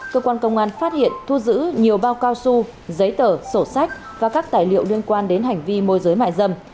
cơ quan công an phát hiện thu giữ nhiều bao cao su giấy tờ sổ sách và các tài liệu liên quan đến hành vi môi giới mại dâm